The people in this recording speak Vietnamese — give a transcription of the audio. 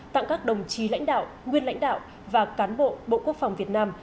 tặng các đồng chí lãnh đạo nguyên lãnh đạo và cán bộ bộ quốc phòng việt nam